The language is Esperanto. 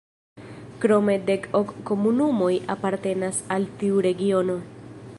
Krome dek-ok komunumoj apartenas al tiu regiono.